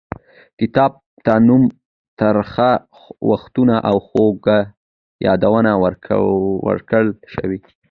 کتاب ته نوم ترخه وختونه او خواږه یادونه ورکړل شوی.